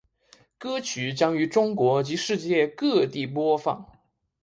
歌曲将于中国及世界各地播放。